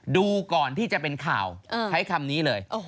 ดูก่อนที่จะเป็นข่าวใช้คำนี้เลย